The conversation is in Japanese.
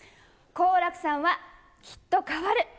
好楽さんはきっと変わる。